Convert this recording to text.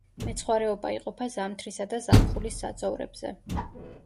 მეცხვარეობა იყოფა ზამთრისა და ზაფხულის საძოვრებზე.